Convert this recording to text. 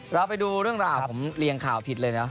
เราไปดูเรื่องราวผมเรียงข่าวผิดเลยนะ